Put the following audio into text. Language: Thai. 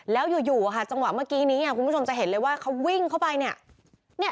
แล้วอยู่จังหวะเมื่อกี้นี้คุณผู้ชมจะเห็นเลยว่าเขาวิ่งเข้าไปเนี่ย